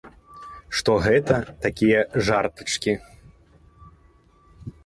Што гэта такія жартачкі.